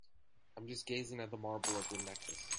I'm just gazing at the marble of your necklace.